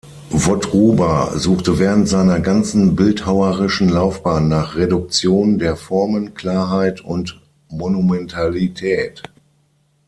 Wotruba suchte während seiner ganzen bildhauerischen Laufbahn nach Reduktion der Formen, Klarheit und Monumentalität.